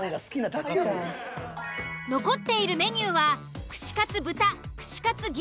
残っているメニューは串カツ豚串カツ牛